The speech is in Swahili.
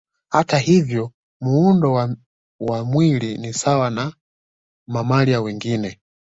Hata hivyo muundo wa mwili ni sawa na mamalia wengine